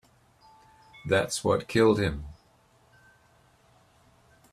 That's what killed him.